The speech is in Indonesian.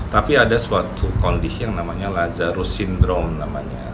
tapi ada suatu kondisi yang namanya lazarus syndrome namanya